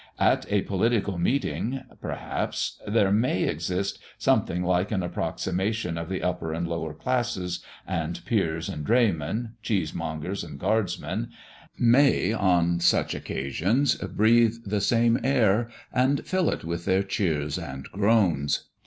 At a political meeting, perhaps, there may exist something like an approximation of the upper and lower classes, and peers and draymen, cheese mongers and guardsmen, may, on such occasions, breathe the same air, and fill it with their cheers and groans.